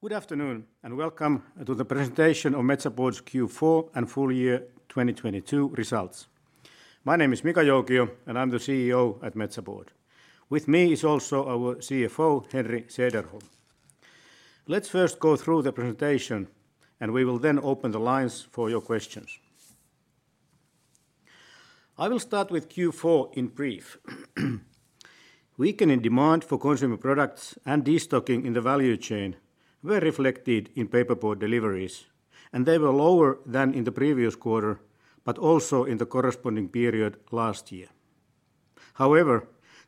Good afternoon, welcome to the presentation of Metsä Board's Q4 and full year 2022 results. My name is Mika Joukio, I'm the CEO at Metsä Board. With me is also our CFO, Henri Sederholm. Let's first go through the presentation, we will then open the lines for your questions. I will start with Q4 in brief. Weakening demand for consumer products and destocking in the value chain were reflected in paperboard deliveries, they were lower than in the previous quarter, but also in the corresponding period last year.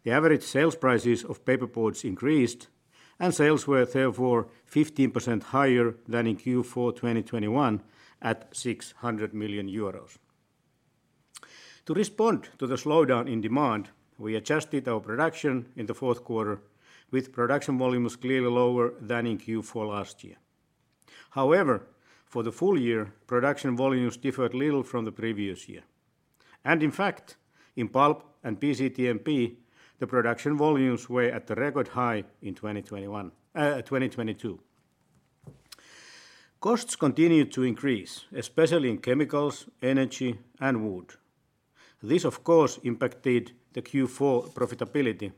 The average sales prices of paperboards increased, sales were therefore 15% higher than in Q4 2021 at 600 million euros. To respond to the slowdown in demand, we adjusted our production in the fourth quarter, with production volumes clearly lower than in Q4 last year. However, for the full year, production volumes differed little from the previous year. In fact, in pulp and BCTMP, the production volumes were at a record high in 2022. Costs continued to increase, especially in chemicals, energy, and wood. This, of course, impacted the Q4 profitability,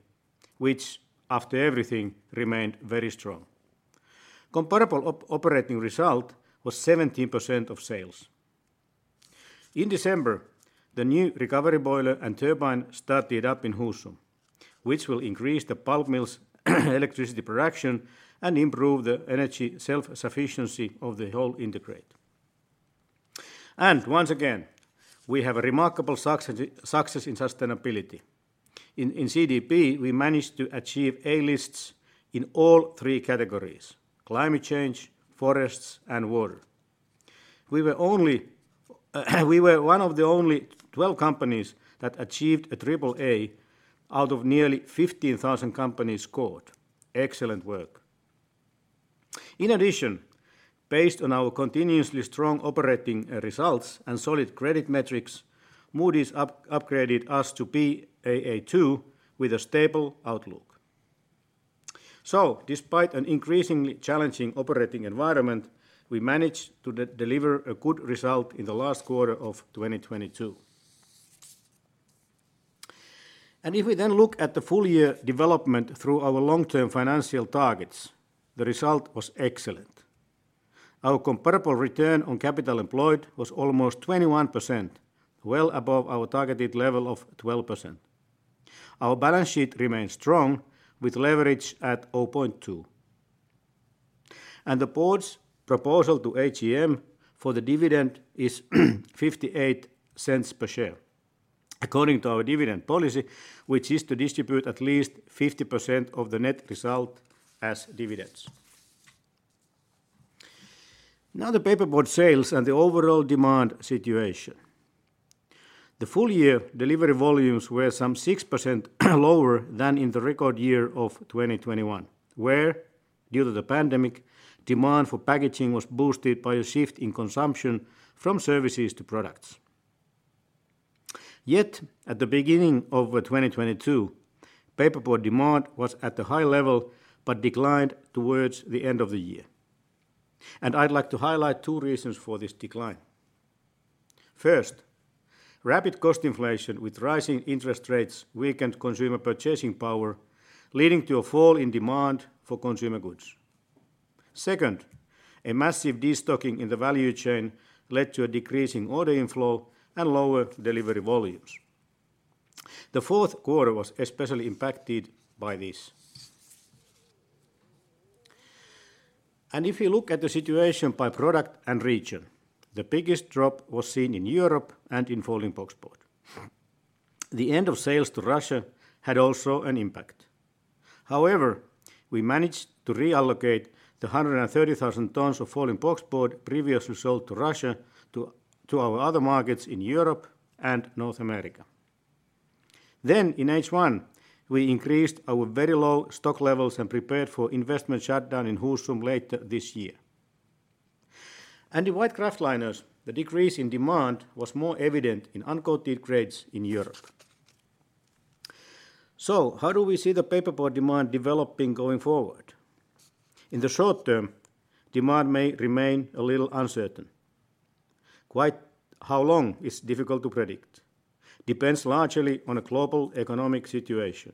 which, after everything, remained very strong. Comparable operating result was 17% of sales. In December, the new recovery boiler and turbine started up in Husum, which will increase the pulp mill's electricity production and improve the energy self-sufficiency of the whole integrat. Once again, we have a remarkable success in sustainability. In CDP, we managed to achieve A-lists in all three categories: climate change, forests, and water. We were one of the only 12 companies that achieved a triple A out of nearly 15,000 companies scored. Excellent work. In addition, based on our continuously strong operating results and solid credit metrics, Moody's upgraded us to Baa2 with a stable outlook. Despite an increasingly challenging operating environment, we managed to deliver a good result in the last quarter of 2022. If we then look at the full year development through our long-term financial targets, the result was excellent. Our comparable return on capital employed was almost 21%, well above our targeted level of 12%. Our balance sheet remains strong, with leverage at 0.2. The board's proposal to AGM for the dividend is 0.58 per share according to our dividend policy, which is to distribute at least 50% of the net result as dividends. The paperboard sales and the overall demand situation. The full year delivery volumes were some 6% lower than in the record year of 2021, where, due to the pandemic, demand for packaging was boosted by a shift in consumption from services to products. Yet at the beginning of 2022, paperboard demand was at a high level but declined towards the end of the year. I'd like to highlight two reasons for this decline. First, rapid cost inflation with rising interest rates weakened consumer purchasing power, leading to a fall in demand for consumer goods. Second, a massive destocking in the value chain led to a decrease in order inflow and lower delivery volumes. The fourth quarter was especially impacted by this. If you look at the situation by product and region, the biggest drop was seen in Europe and in folding boxboard. The end of sales to Russia had also an impact. However, we managed to reallocate the 130,000 tons of folding boxboard previously sold to Russia to our other markets in Europe and North America. In H1, we increased our very low stock levels and prepared for investment shutdown in Husum later this year. In white kraftliners, the decrease in demand was more evident in uncoated grades in Europe. How do we see the paperboard demand developing going forward? In the short term, demand may remain a little uncertain. Quite how long is difficult to predict. Depends largely on a global economic situation.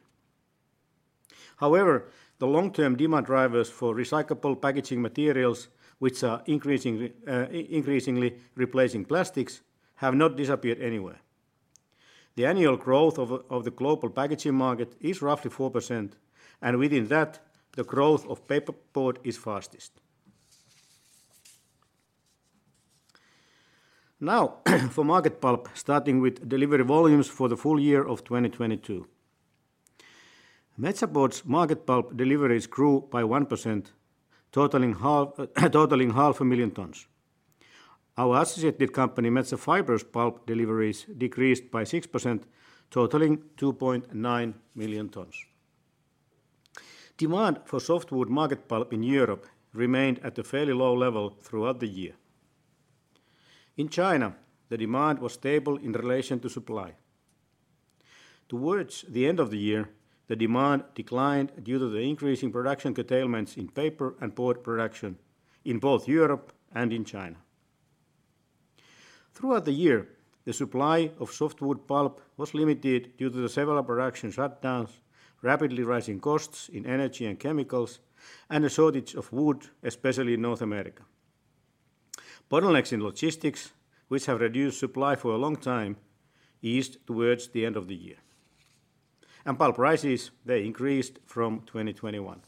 However, the long-term demand drivers for recyclable packaging materials, which are increasingly replacing plastics, have not disappeared anywhere. The annual growth of the global packaging market is roughly 4%, and within that, the growth of paperboard is fastest. Now for market pulp, starting with delivery volumes for the full year of 2022. Metsä Board's market pulp deliveries grew by 1%, totaling half a million tons. Our associated company, Metsä Fibre's pulp deliveries decreased by 6%, totaling 2.9 million tons. Demand for softwood market pulp in Europe remained at a fairly low level throughout the year. In China, the demand was stable in relation to supply. Towards the end of the year, the demand declined due to the increase in production curtailments in paper and board production in both Europe and in China. Throughout the year, the supply of softwood pulp was limited due to the several production shutdowns, rapidly rising costs in energy and chemicals, and a shortage of wood, especially in North America. Bottlenecks in logistics, which have reduced supply for a long time, eased towards the end of the year. Pulp prices, they increased from 2021.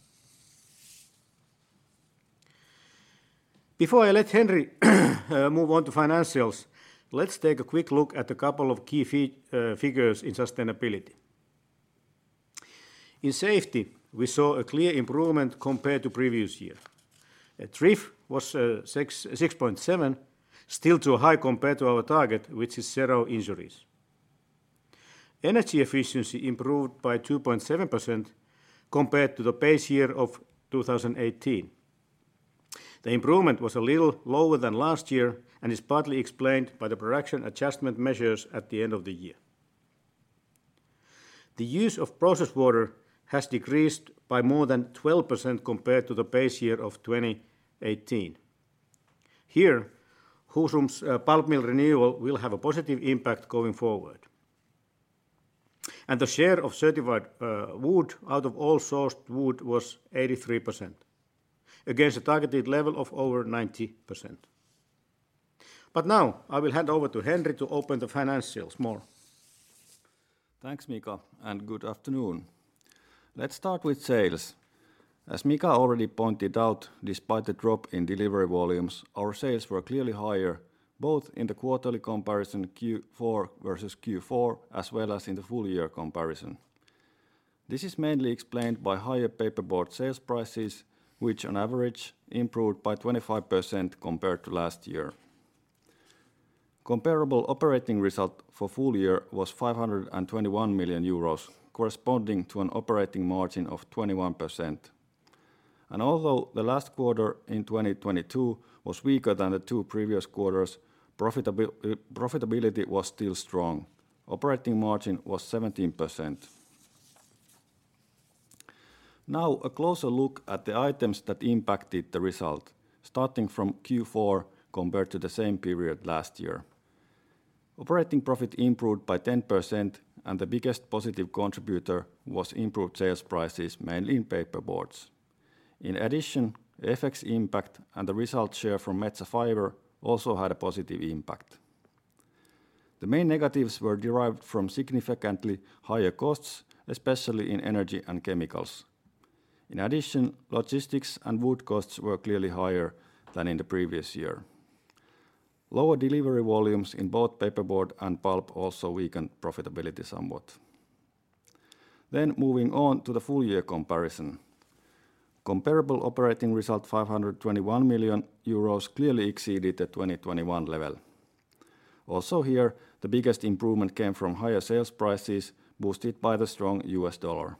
Before I let Henri move on to financials, let's take a quick look at a couple of key figures in sustainability. In safety, we saw a clear improvement compared to previous year. TRIF was 6.7, still too high compared to our target, which is zero injuries. Energy efficiency improved by 2.7% compared to the base year of 2018. The improvement was a little lower than last year, and is partly explained by the production adjustment measures at the end of the year. The use of process water has decreased by more than 12% compared to the base year of 2018. Here, Husum's pulp mill renewal will have a positive impact going forward. The share of certified, wood out of all sourced wood was 83%, against a targeted level of over 90%. Now I will hand over to Henri to open the financials more. Thanks, Mika. Good afternoon. Let's start with sales. As Mika already pointed out, despite the drop in delivery volumes, our sales were clearly higher, both in the quarterly comparison Q4 versus Q4, as well as in the full year comparison. This is mainly explained by higher paperboard sales prices, which on average improved by 25% compared to last year. Comparable operating result for full year was 521 million euros, corresponding to an operating margin of 21%. Although the last quarter in 2022 was weaker than the two previous quarters, profitability was still strong. Operating margin was 17%. Now, a closer look at the items that impacted the result, starting from Q4 compared to the same period last year. Operating profit improved by 10%, and the biggest positive contributor was improved sales prices, mainly in paperboards. FX impact and the result share from Metsä Fibre also had a positive impact. The main negatives were derived from significantly higher costs, especially in energy and chemicals. Logistics and wood costs were clearly higher than in the previous year. Lower delivery volumes in both paperboard and pulp also weakened profitability somewhat. Moving on to the full year comparison. Comparable operating result 521 million euros clearly exceeded the 2021 level. Also here, the biggest improvement came from higher sales prices boosted by the strong US dollar.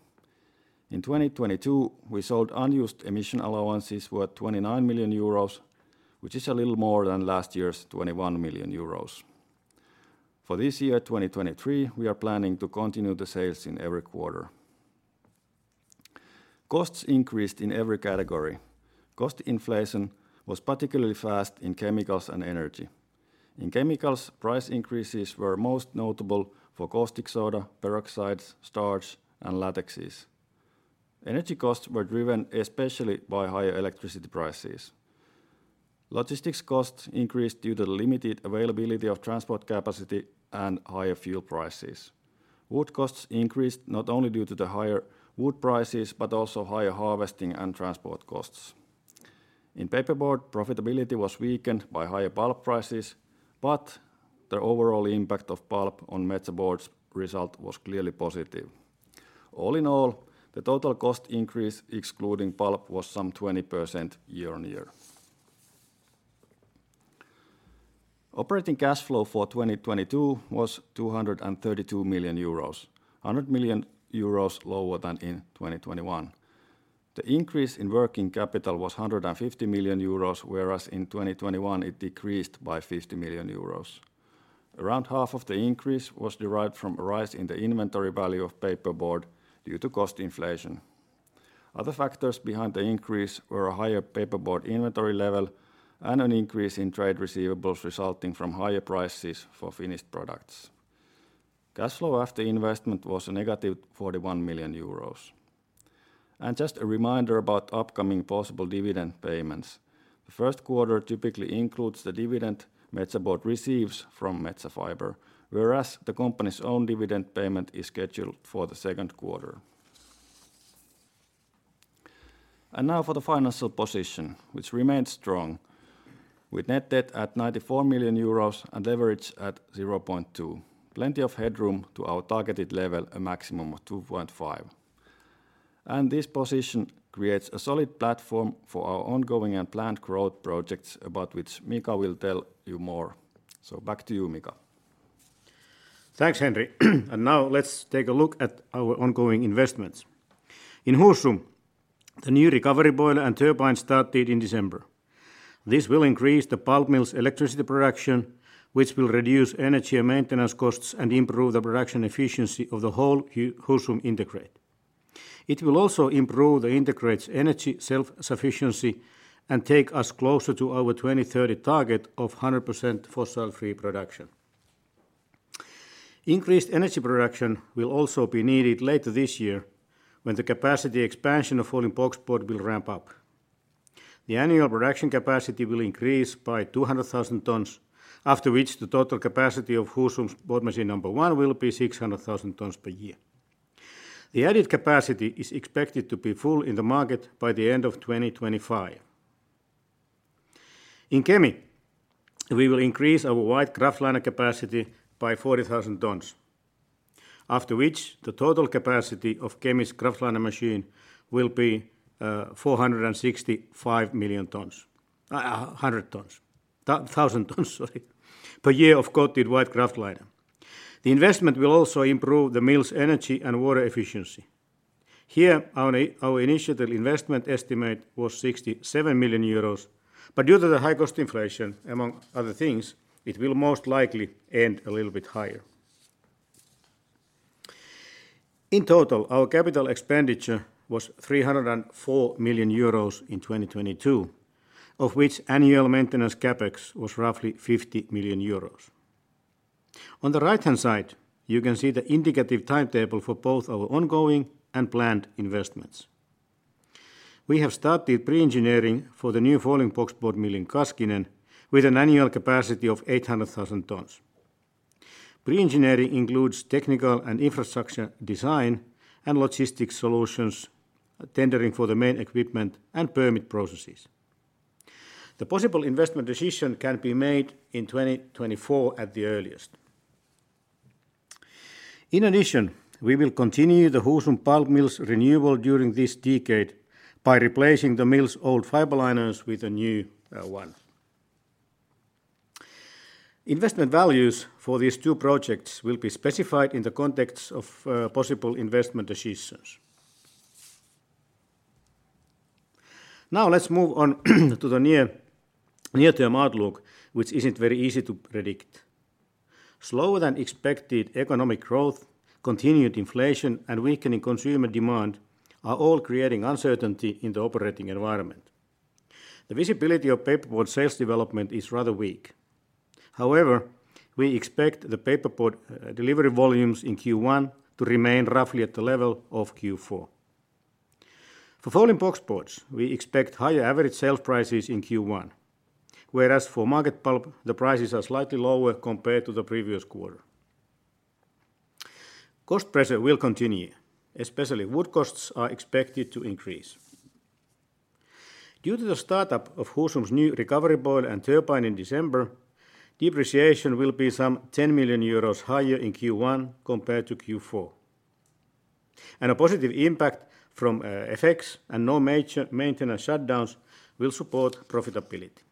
In 2022, we sold unused emission allowances worth 29 million euros, which is a little more than last year's 21 million euros. For this year, 2023, we are planning to continue the sales in every quarter. Costs increased in every category. Cost inflation was particularly fast in chemicals and energy. In chemicals, price increases were most notable for caustic soda, peroxides, starch, and latexes. Energy costs were driven especially by higher electricity prices. Logistics costs increased due to the limited availability of transport capacity and higher fuel prices. Wood costs increased not only due to the higher wood prices, but also higher harvesting and transport costs. In paperboard, profitability was weakened by higher pulp prices, but the overall impact of pulp on Metsä Board's result was clearly positive. All in all, the total cost increase excluding pulp was some 20% year-on-year. Operating cash flow for 2022 was 232 million euros, 100 million euros lower than in 2021. The increase in working capital was 150 million euros, whereas in 2021 it decreased by 50 million euros. Around half of the increase was derived from a rise in the inventory value of paperboard due to cost inflation. Other factors behind the increase were a higher paperboard inventory level and an increase in trade receivables resulting from higher prices for finished products. Cash flow after investment was a negative 41 million euros. Just a reminder about upcoming possible dividend payments. The first quarter typically includes the dividend Metsä Board receives from Metsä Fibre, whereas the company's own dividend payment is scheduled for the second quarter. Now for the financial position, which remains strong with net debt at 94 million euros and leverage at 0.2. Plenty of headroom to our targeted level, a maximum of 2.5. This position creates a solid platform for our ongoing and planned growth projects about which Mika will tell you more. Back to you, Mika. Thanks, Henri. Now let's take a look at our ongoing investments. In Husum. The new recovery boiler and turbine started in December. This will increase the pulp mill's electricity production, which will reduce energy and maintenance costs and improve the production efficiency of the whole Husum integrat. It will also improve the integrate's energy self-sufficiency and take us closer to our 2030 target of 100% fossil-free production. Increased energy production will also be needed later this year when the capacity expansion of folding boxboard will ramp up. The annual production capacity will increase by 200,000 tons, after which the total capacity of Husum's board machine number one will be 600,000 tons per year. The added capacity is expected to be full in the market by the end of 2025. In Kemi, we will increase our white kraftliner capacity by 40,000 tons, after which the total capacity of Kemi's kraftliner machine will be 465,000 tons, sorry, per year of coated white kraftliner. The investment will also improve the mill's energy and water efficiency. Here, our initial investment estimate was 67 million euros, but due to the high-cost inflation, among other things, it will most likely end a little bit higher. In total, our capital expenditure was 304 million euros in 2022, of which annual maintenance CapEx was roughly 50 million euros. On the right-hand side, you can see the indicative timetable for both our ongoing and planned investments. We have started pre-engineering for the new folding boxboard mill in Kaskinen with an annual capacity of 800,000 tons. Pre-engineering includes technical and infrastructure design and logistics solutions, tendering for the main equipment, and permit processes. The possible investment decision can be made in 2024 at the earliest. In addition, we will continue the Husum pulp mill's renewal during this decade by replacing the mill's old fibre lines with a new one. Investment values for these two projects will be specified in the context of possible investment decisions. Now let's move on to the near-term outlook, which isn't very easy to predict. Slower-than-expected economic growth, continued inflation, and weakening consumer demand are all creating uncertainty in the operating environment. The visibility of paperboard sales development is rather weak. However, we expect the paperboard delivery volumes in Q1 to remain roughly at the level of Q4. For folding boxboards, we expect higher average sales prices in Q1, whereas for market pulp, the prices are slightly lower compared to the previous quarter. Cost pressure will continue, especially wood costs are expected to increase. Due to the startup of Husum's new recovery boiler and turbine in December, depreciation will be some 10 million euros higher in Q1 compared to Q4. A positive impact from FX and no major maintenance shutdowns will support profitability.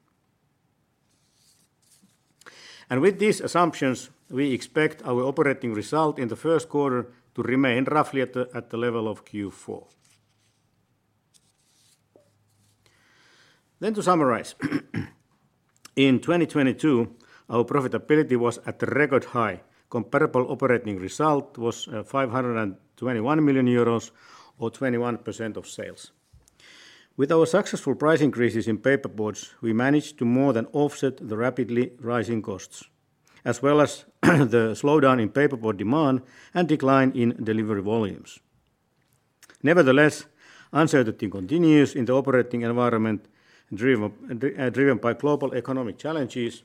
With these assumptions, we expect our operating result in the first quarter to remain roughly at the level of Q4. To summarize. In 2022, our profitability was at the record high. Comparable operating result was 521 million euros or 21% of sales. With our successful price increases in paperboards, we managed to more than offset the rapidly rising costs, as well as the slowdown in paperboard demand and decline in delivery volumes. Nevertheless, uncertainty continues in the operating environment, driven by global economic challenges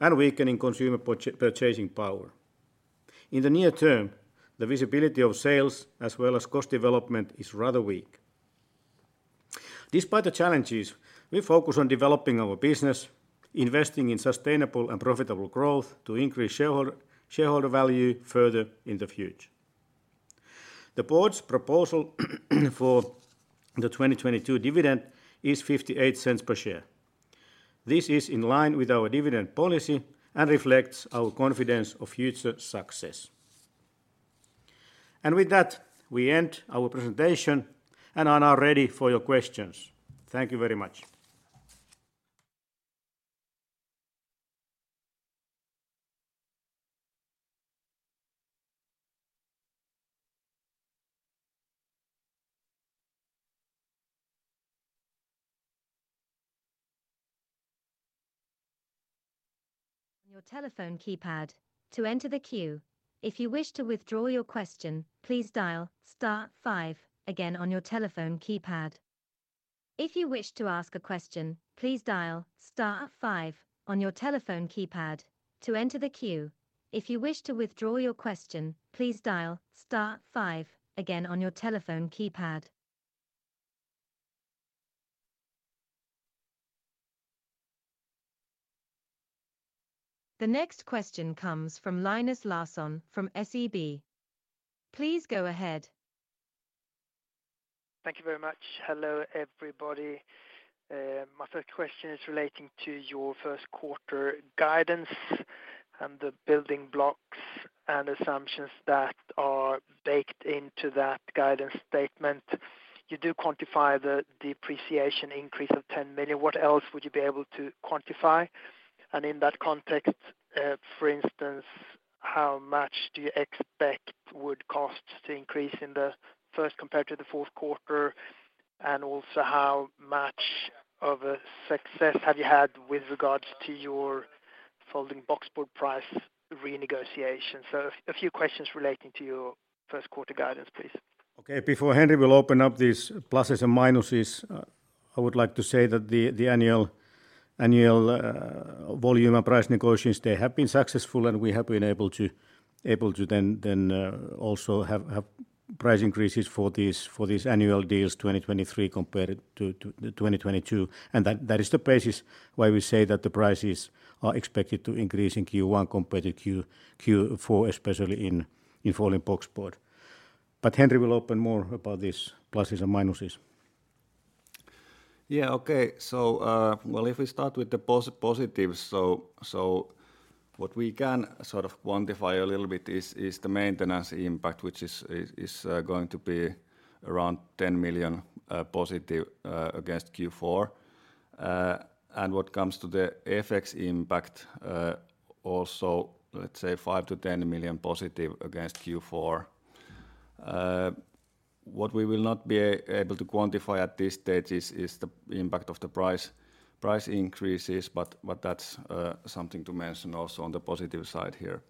and weakening consumer purchasing power. In the near term, the visibility of sales as well as cost development is rather weak. Despite the challenges, we focus on developing our business, investing in sustainable and profitable growth to increase shareholder value further in the future. The board's proposal for the 2022 dividend is 0.58 per share. This is in line with our dividend policy and reflects our confidence of future success. With that, we end our presentation and are now ready for your questions. Thank you very much. On your telephone keypad to enter the queue. If you wish to withdraw your question, please dial star five again on your telephone keypad. If you wish to ask a question, please dial star five on your telephone keypad to enter the queue. If you wish to withdraw your question, please dial star five again on your telephone keypad. The next question comes from Linus Larsson from SEB. Please go ahead. Thank you very much. Hello, everybody. My first question is relating to your first quarter guidance and the building blocks and assumptions that are baked into that guidance statement. You do quantify the depreciation increase of 10 million. What else would you be able to quantify? In that context, for instance, how much do you expect would cost to increase in the first compared to the fourth quarter? Also, how much of a success have you had with regards to your folding boxboard price renegotiation? A few questions relating to your first quarter guidance, please. Okay. Before Henri will open up these pluses and minuses, I would like to say that the annual volume and price negotiations, they have been successful, and we have been able to then also have price increases for these annual deals 2023 compared to 2022. That is the basis why we say that the prices are expected to increase in Q1 compared to Q4, especially in folding boxboard. Henri will open more about these pluses and minuses. Okay. Well, if we start with the positive, what we can sort of quantify a little bit is the maintenance impact, which is going to be around 10 million positive against Q4. What comes to the FX impact, also, let's say 5 million-10 million positive against Q4. What we will not be able to quantify at this stage is the impact of the price increases, but that's something to mention also on the positive side here.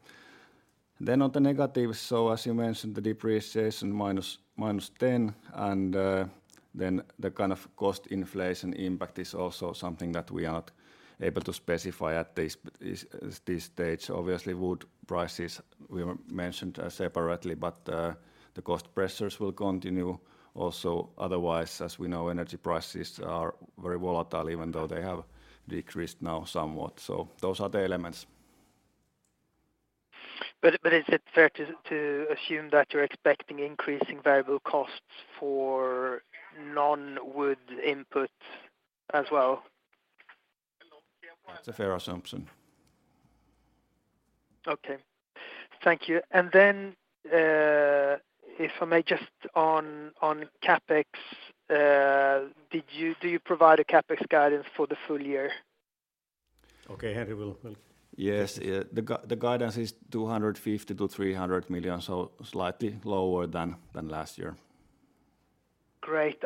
On the negative, as you mentioned, the depreciation -10, and then the kind of cost inflation impact is also something that we are not able to specify at this stage. Obviously, wood prices we mentioned separately, but the cost pressures will continue also. As we know, energy prices are very volatile, even though they have decreased now somewhat. Those are the elements. Is it fair to assume that you're expecting increasing variable costs for non-wood input as well? That's a fair assumption. Okay. Thank you. Then, if I may just on CapEx, do you provide a CapEx guidance for the full year? Okay. Henri will. Yes. The guidance is 250 million-300 million, slightly lower than last year. Great.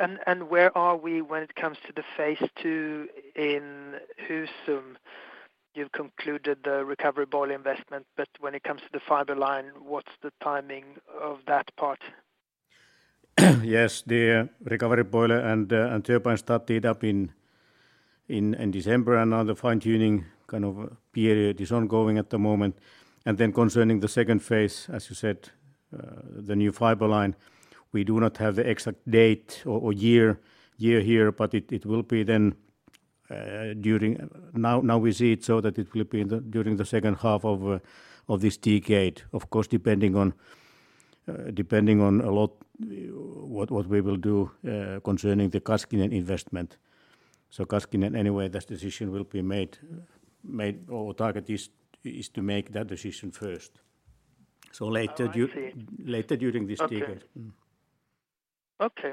Where are we when it comes to the phase two in Husum? You've concluded the recovery boiler investment, but when it comes to the fibre line, what's the timing of that part? Yes. The recovery boiler and turbine started up in December, and now the fine-tuning kind of period is ongoing at the moment. Concerning the second phase, as you said, the new fibre line, we do not have the exact date or year here, but it will be then. Now, now we see it so that it will be during the second half of this decade. Of course, depending on a lot what we will do concerning the Kaskinen investment. Kaskinen, anyway, that decision will be made or target is to make that decision first. Later. Oh, I see. Later during this decade. Okay.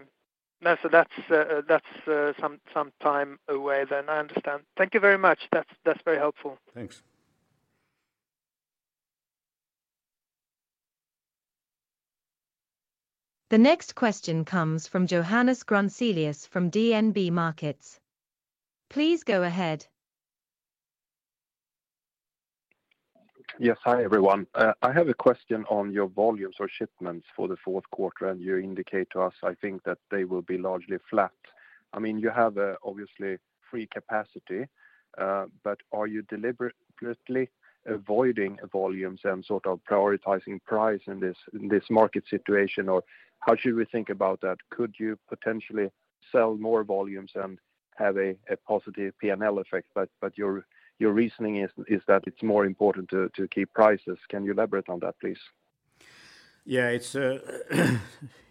Now, that's some time away then. I understand. Thank you very much. That's very helpful. Thanks. The next question comes from Johannes Grunselius from DNB Markets. Please go ahead. Yes. Hi, everyone. I have a question on your volumes or shipments for the fourth quarter. You indicate to us, I think, that they will be largely flat. I mean, you have, obviously free capacity. Are you deliberately avoiding volumes and sort of prioritizing price in this market situation, or how should we think about that? Could you potentially sell more volumes and have a positive P&L effect, but your reasoning is that it's more important to keep prices? Can you elaborate on that, please? Yeah.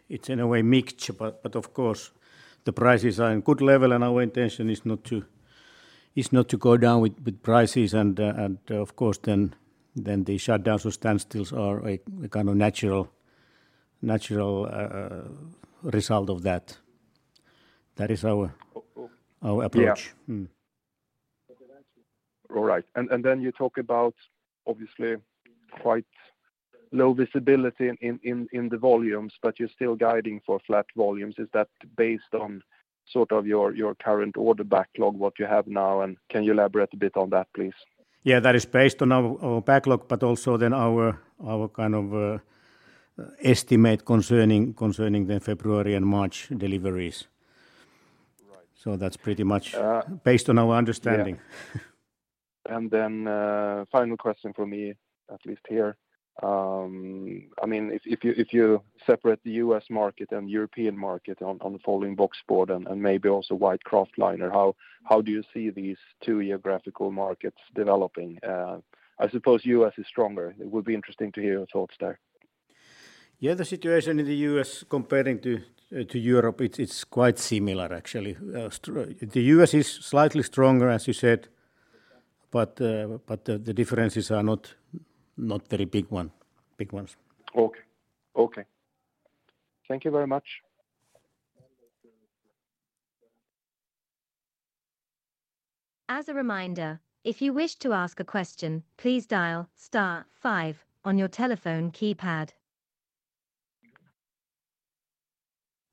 It's in a way mixture, but of course the prices are in good level and our intention is not to go down with prices and of course then the shutdowns or standstills are a kind of natural result of that. That is our approach. Yeah. Mm-hmm. All right. Then you talk about obviously quite low visibility in the volumes, but you're still guiding for flat volumes. Is that based on sort of your current order backlog, what you have now, and can you elaborate a bit on that, please? Yeah, that is based on our backlog, but also then our kind of estimate concerning the February and March deliveries. That's pretty much based on our understanding. Final question for me, at least here. I mean, if you separate the U.S. market and European market on the folding boxboard and maybe also white kraftliner, how do you see these two geographical markets developing? I suppose U.S. is stronger. It would be interesting to hear your thoughts there. Yeah, the situation in the U.S. Comparing to Europe, it's quite similar actually. The U.S. is slightly stronger, as you said, but the differences are not very big one, big ones. Okay. Okay. Thank you very much. As a reminder, if you wish to ask a question, please dial star five on your telephone keypad.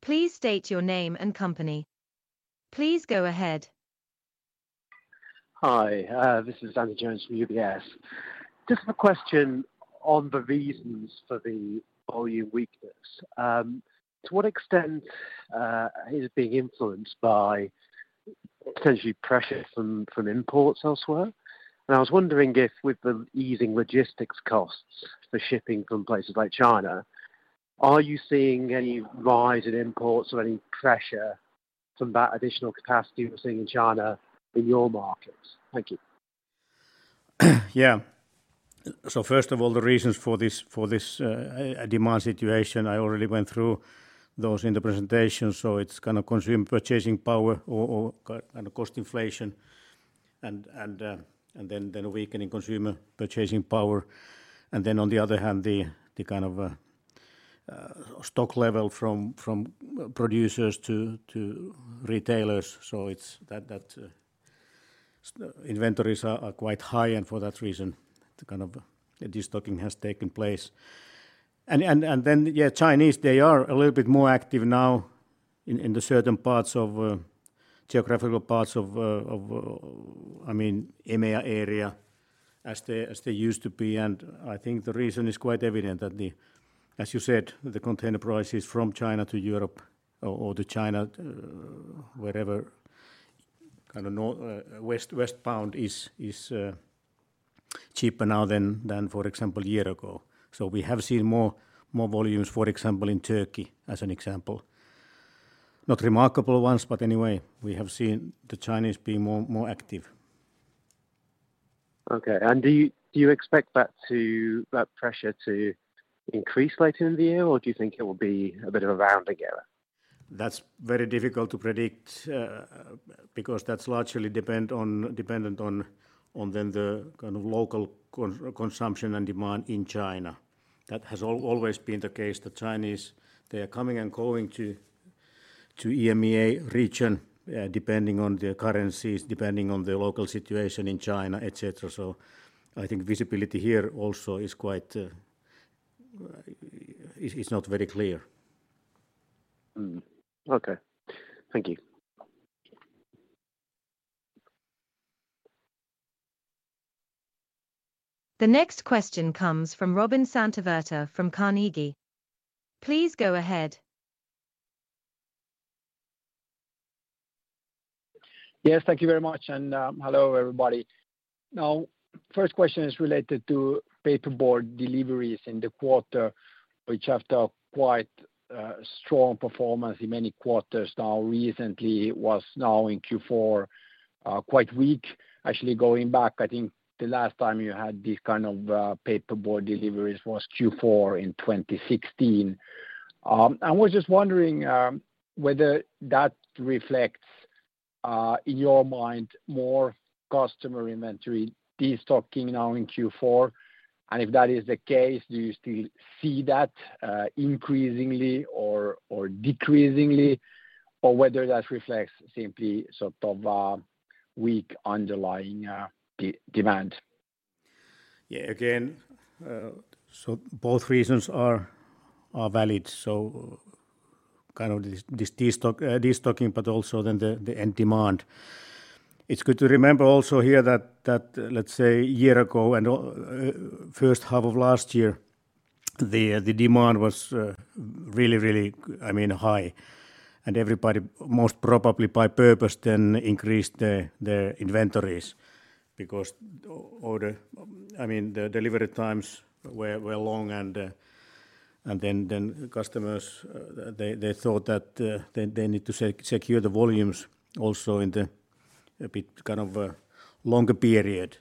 Please state your name and company. Please go ahead. Hi, this is Andrew Jones from UBS. Just a question on the reasons for the volume weakness. To what extent is it being influenced by potentially pressure from imports elsewhere? I was wondering if with the easing logistics costs for shipping from places like China, are you seeing any rise in imports or any pressure from that additional capacity we're seeing in China in your markets? Thank you. Yeah. First of all, the reasons for this demand situation, I already went through those in the presentation. It's kind of consumer purchasing power or and cost inflation and then weakening consumer purchasing power. Then on the other hand, the kind of stock level from producers to retailers. That inventories are quite high, for that reason, the kind of destocking has taken place. Then, yeah, Chinese, they are a little bit more active now in the certain parts of geographical parts of I mean, EMEA area as they used to be. I think the reason is quite evident that. As you said, the container prices from China to Europe or to China, wherever kind of westbound is cheaper now than, for example, a year ago. We have seen more volumes, for example, in Turkey as an example. Not remarkable ones, but anyway, we have seen the Chinese be more active. Okay. Do you expect that pressure to increase later in the year, or do you think it will be a bit of a round together? That's very difficult to predict, because that's largely dependent on then the kind of local consumption and demand in China. That has always been the case. The Chinese, they are coming and going to EMEA region, depending on the currencies, depending on the local situation in China, et cetera. I think visibility here also is quite, is not very clear. Mm-hmm. Okay. Thank you. The next question comes from Robin Santavirta from Carnegie. Please go ahead. Yes, thank you very much and, hello, everybody. Now, first question is related to paperboard deliveries in the quarter, which after quite strong performance in many quarters now recently was now in Q4, quite weak. Actually, going back, I think the last time you had this kind of paperboard deliveries was Q4 in 2016. I was just wondering whether that reflects in your mind more customer inventory destocking now in Q4. If that is the case, do you still see that increasingly or decreasingly, or whether that reflects simply sort of weak underlying demand? Again, both reasons are valid. Kind of this destocking, but also then the end demand. It's good to remember also here that let's say a year ago and first half of last year, the demand was really, really, I mean, high. Everybody most probably by purpose then increased their inventories because I mean, the delivery times were long and then customers, they thought that they need to secure the volumes also in a bit kind of a longer period.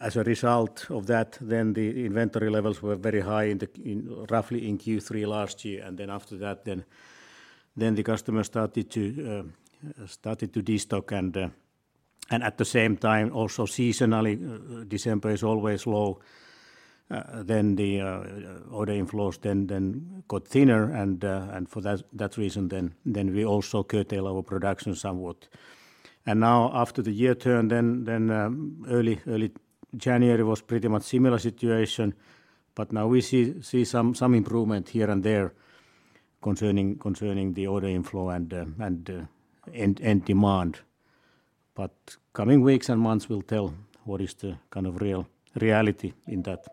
As a result of that, then the inventory levels were very high in roughly in Q3 last year. Then after that, the customer started to destock and at the same time also seasonally, December is always low. Then the order inflows got thinner and for that reason we also curtail our production somewhat. Now after the year turn, early January was pretty much similar situation, but now we see some improvement here and there concerning the order inflow and end demand. Coming weeks and months will tell what is the kind of real reality in that.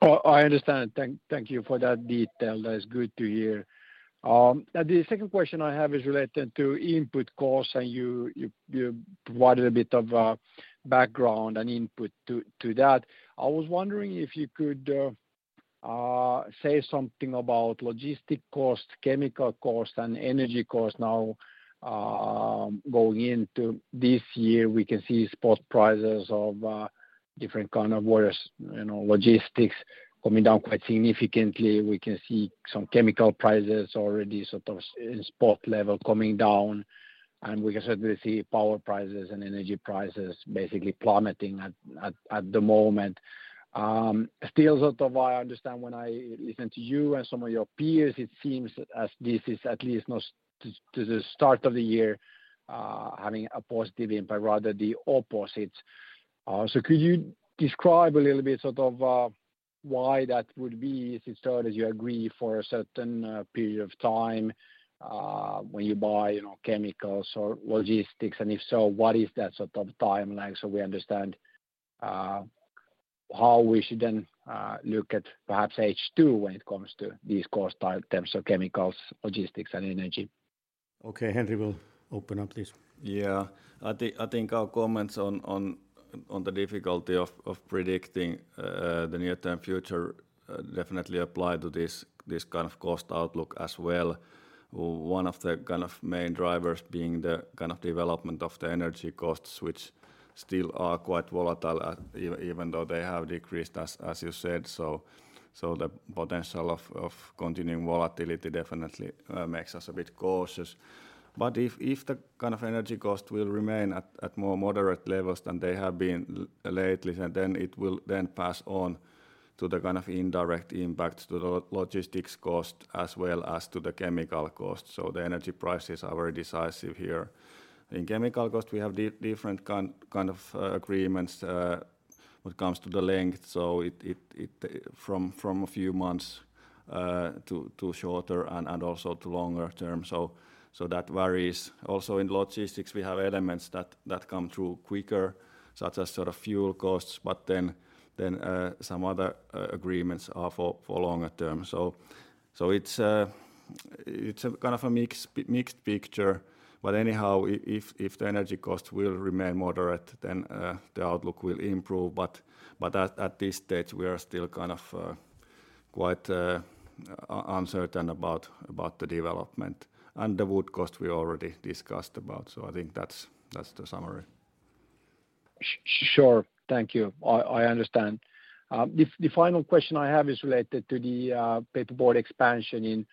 I understand. Thank you for that detail. That is good to hear. The second question I have is related to input costs, and you provided a bit of background and input to that. I was wondering if you could say something about logistic cost, chemical cost, and energy cost now, going into this year, we can see spot prices of different kind of various, you know, logistics coming down quite significantly. We can see some chemical prices already in spot level coming down, and we can certainly see power prices and energy prices basically plummeting at the moment. Still sort of I understand when I listen to you and some of your peers, it seems as this is at least not to the start of the year, having a positive impact, rather the opposite. Could you describe a little bit sort of why that would be if it's not as you agree for a certain period of time, when you buy, you know, chemicals or logistics? If so, what is that sort of timeline so we understand how we should then look at perhaps H2 when it comes to these cost items of chemicals, logistics and energy? Okay. Henri will open up this. I think our comments on the difficulty of predicting the near-term future definitely apply to this kind of cost outlook as well. One of the kind of main drivers being the kind of development of the energy costs, which still are quite volatile even though they have decreased as you said. The potential of continuing volatility definitely makes us a bit cautious. If the kind of energy cost will remain at more moderate levels than they have been lately, then it will pass on to the kind of indirect impacts to the logistics cost as well as to the chemical cost. The energy prices are very decisive here. In chemical cost, we have different kind of agreements when it comes to the length. It from a few months to shorter and also to longer term. That varies. Also in logistics, we have elements that come through quicker, such as sort of fuel costs, but then some other agreements are for longer term. It's a kind of a mixed picture. Anyhow, if the energy cost will remain moderate, then the outlook will improve. At this stage, we are still kind of quite uncertain about the development. The wood cost we already discussed about. I think that's the summary. Sure. Thank you. I understand. The final question I have is related to the paperboard expansion in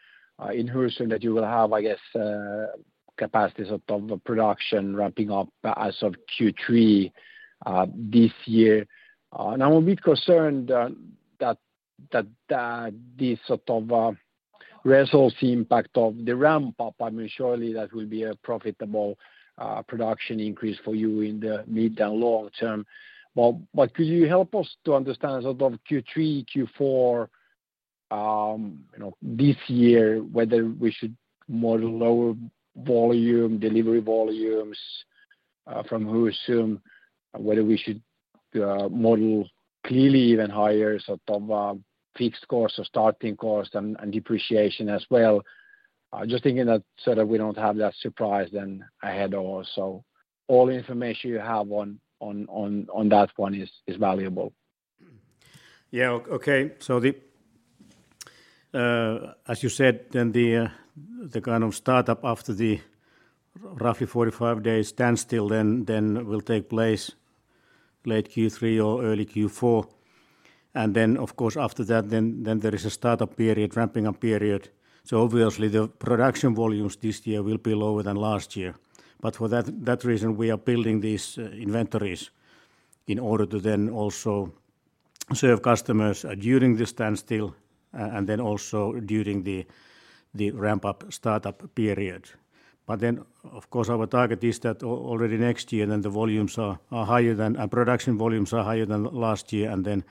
Husum that you will have, I guess, capacity sort of production ramping up as of Q3 this year. I'm a bit concerned that this sort of resource impact of the ramp-up, I mean, surely that will be a profitable production increase for you in the mid and long term. Could you help us to understand sort of Q3, Q4 this year, whether we should model lower volume, delivery volumes from Husum? Whether we should model clearly even higher sort of fixed cost or starting cost and depreciation as well? Just thinking that so that we don't have that surprise then ahead also. All information you have on that one is valuable. Okay. The, as you said, then the kind of startup after the roughly 45 days standstill then will take place late Q3 or early Q4. Of course, after that, then there is a startup period, ramping up period. Obviously the production volumes this year will be lower than last year. For that reason, we are building these inventories in order to then also serve customers during the standstill and then also during the ramp-up, startup period. Of course, our target is that already next year, then the volumes are higher than... Our production volumes are higher than last year, and then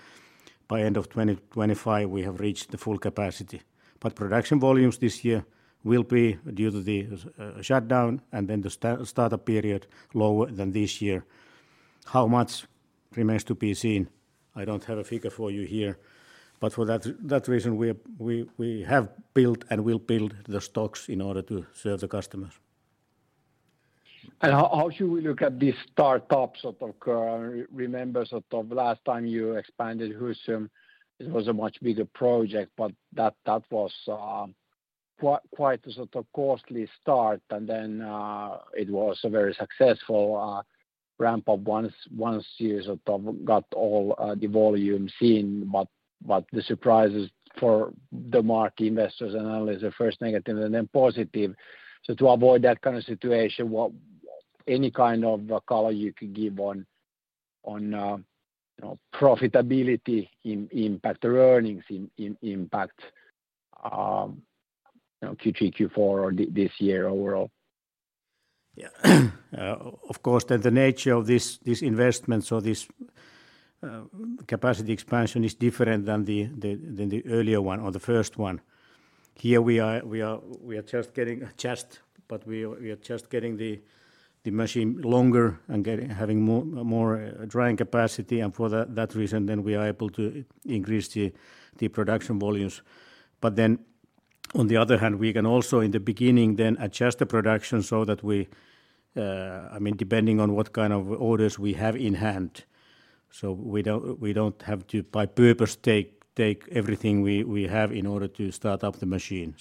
by end of 2025, we have reached the full capacity. Production volumes this year will be due to the shutdown and then the startup period lower than this year. How much remains to be seen. I don't have a figure for you here. For that reason, we have built and will build the stocks in order to serve the customers. How should we look at this startup sort of? Remember sort of last time you expanded Husum, it was a much bigger project, but that was quite a sort of costly start, and then it was a very successful ramp-up once you sort of got all the volume seen. The surprise is for the market investors and analysts are first negative and then positive. To avoid that kind of situation, what any kind of color you could give on, you know, profitability impact, earnings impact, you know, Q3, Q4, or this year overall? Yeah. Of course, the nature of this investment, so this capacity expansion is different than the earlier one or the first one. Here we are just getting the machine longer and having more drying capacity, and for that reason, then we are able to increase the production volumes. On the other hand, we can also in the beginning then adjust the production so that we, I mean, depending on what kind of orders we have in hand, so we don't have to by purpose take everything we have in order to start up the machine.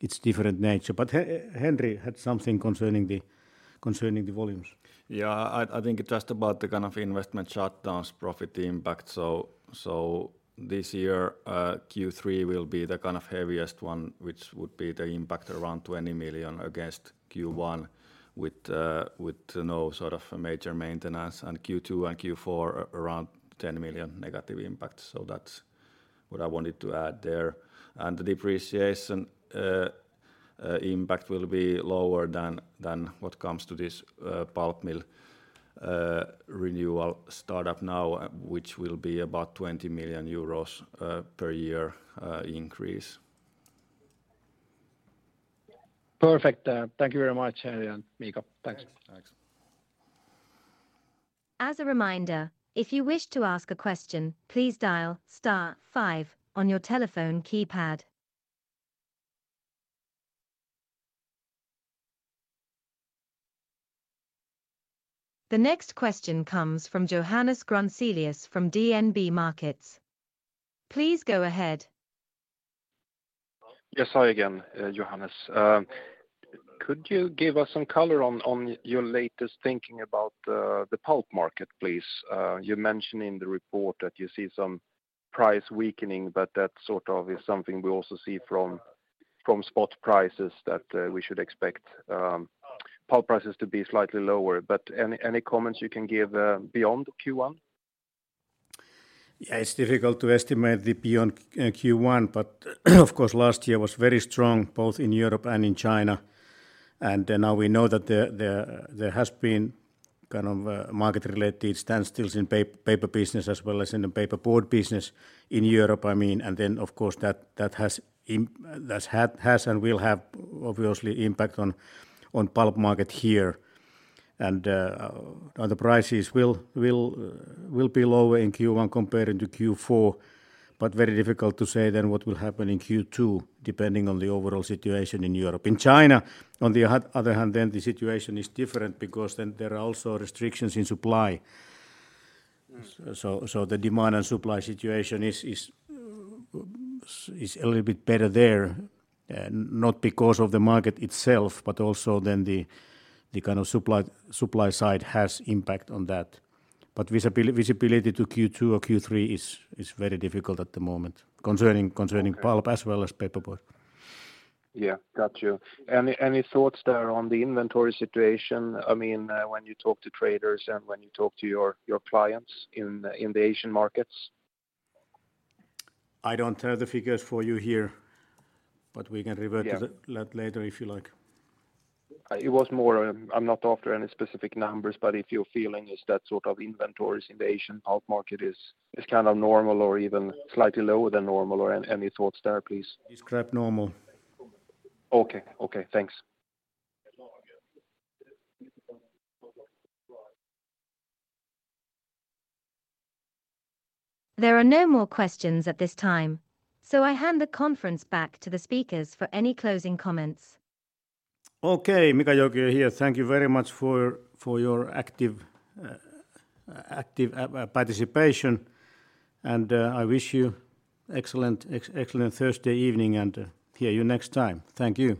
It's different nature. Henri had something concerning the volumes. Yeah. I think just about the kind of investment shutdowns profit impact. This year, Q3 will be the kind of heaviest one, which would be the impact around 20 million against Q1 with no sort of a major maintenance, and Q2 and Q4 around 10 million negative impact. That's what I wanted to add there. The depreciation impact will be lower than what comes to this pulp mill renewal startup now, which will be about 20 million euros per year increase. Perfect. Thank you very much, Henri and Mika. Thanks. Thanks. Thanks. As a reminder, if you wish to ask a question, please dial star five on your telephone keypad. The next question comes from Johannes Grunselius from DNB Markets. Please go ahead. Yes. Hi again. Johannes. Could you give us some color on your latest thinking about the pulp market, please? You mentioned in the report that you see some price weakening, but that sort of is something we also see from spot prices that we should expect pulp prices to be slightly lower. Any comments you can give beyond Q1? Yeah, it's difficult to estimate the beyond Q1, but of course, last year was very strong both in Europe and in China. Now we know that there has been kind of a market-related standstills in paper business as well as in the paperboard business in Europe, I mean. Of course that has and will have obviously impact on pulp market here. The prices will be lower in Q1 comparing to Q4, but very difficult to say then what will happen in Q2 depending on the overall situation in Europe. In China, on the other hand then, the situation is different because then there are also restrictions in supply. The demand and supply situation is a little bit better there, not because of the market itself, but also then the kind of supply side has impact on that. Visibility to Q2 or Q3 is very difficult at the moment concerning pulp as well as paperboard. Yeah. Got you. Any thoughts there on the inventory situation, I mean, when you talk to traders and when you talk to your clients in the Asian markets? I don't have the figures for you here, but we can revert to.later if you like. It was more I'm not after any specific numbers, but if your feeling is that sort of inventories in the Asian pulp market is kind of normal or even slightly lower than normal or any thoughts there, please? Describe normal. Okay. Okay. Thanks. There are no more questions at this time, so I hand the conference back to the speakers for any closing comments. Okay. Mika Joukio here. Thank you very much for your active participation. I wish you excellent Thursday evening and hear you next time. Thank you.